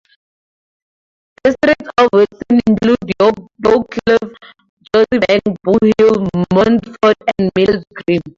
Districts of Wirksworth include Yokecliffe, Gorsey Bank, Bolehill, Mountford and Miller's Green.